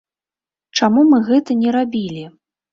Чаму мы гэта не рабілі?